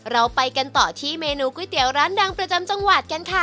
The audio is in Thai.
เราไปกันต่อที่เมนูก๋วยเตี๋ยวร้านดังประจำจังหวัดกันค่ะ